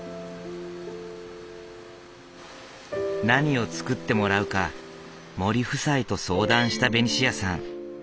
何を作ってもらうか森夫妻と相談したベニシアさん。